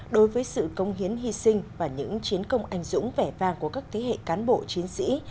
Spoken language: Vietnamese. đối với sự công hiến hy sinh và những chiến công anh dũng vẻ vang của các thế hệ cán bộ chiến sĩ